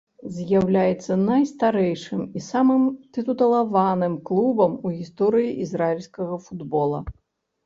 З'яўляецца найстарэйшым і самым тытулаваным клубам у гісторыі ізраільскага футбола.